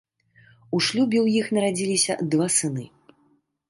У шлюбе ў іх нарадзіліся два сыны.